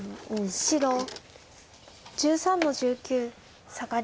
白１３の十九サガリ。